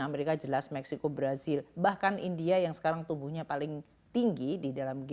amerika jelas meksiko brazil bahkan india yang sekarang tumbuhnya paling tinggi di dalam g